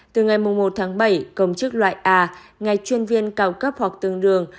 từ ngày một bảy công chức loại a ngạch chuyên viên cao cấp hoặc tương đương